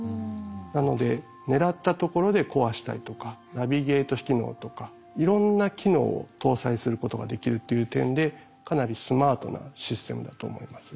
なので狙ったところで壊したりとかナビゲート機能とかいろんな機能を搭載することができるっていう点でかなりスマートなシステムだと思います。